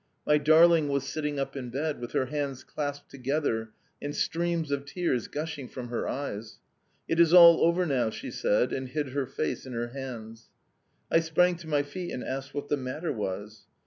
My darling was sitting up in bed, with her hands clasped together and streams of tears gushing from her eyes. "'It is all over now,' she said, and hid her face in her hands. "I sprang to my feet, and asked what the matter was.